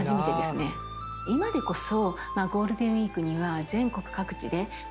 今でこそ。